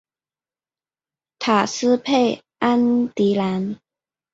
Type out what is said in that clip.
埃斯佩安迪兰。